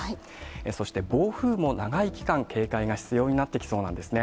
そして暴風も長い期間警戒が必要になってきそうなんですね。